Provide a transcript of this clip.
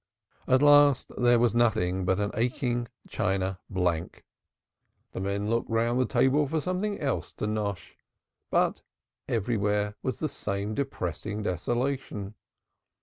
At last there was nothing but an aching china blank. The men looked round the table for something else to "nash," but everywhere was the same depressing desolation.